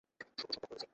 শুভ সন্ধ্যা, রোজি।